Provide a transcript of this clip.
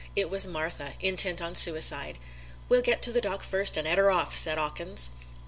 It was Martha, intent on suicide. "We'll get to the dock first and 'ead 'er orf," said 'Awkins.